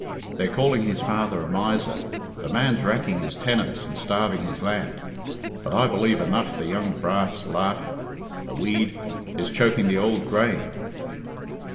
They're calling his father a miser. The man's racking his tenants and starving his land. But I believe enough the young brass lagh (a weed) is choking the ould grain."